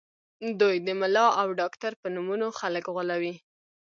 دوی د ملا او ډاکټر په نومونو خلک غولوي